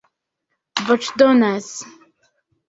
voĉdonas